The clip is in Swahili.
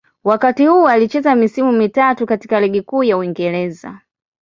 Wakati huu alicheza misimu mitatu katika Ligi Kuu ya Uingereza.